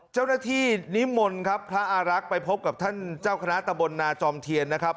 เจ้าหน้าที่นิมมลด์ครับพระอารักษ์ไปพบกับท่านเจ้าคณะตบลน่าจอมเทียนนะครับ